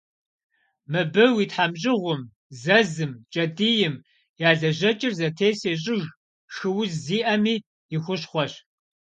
Мыбы уи тхьэмщӏыгъум, зэзым, кӏэтӏийм я лэжьэкӏэр зэтес ещӏыж, шхыуз зиӏэми и хущхъуэщ.